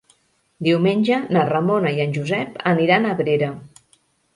Diumenge na Ramona i en Josep aniran a Abrera.